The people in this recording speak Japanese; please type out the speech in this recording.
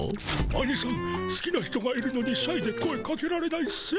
あにさんすきな人がいるのにシャイで声かけられないんっすよ。